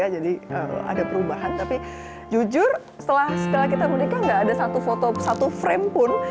jadi ada perubahan tapi jujur setelah kita berdikah nggak ada satu foto satu frame pun